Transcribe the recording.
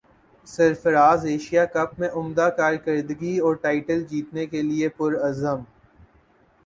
سرفراز Asia cup میں عمدہ کارکردگی اور ٹائٹل جیتنے کیلئے پرعزم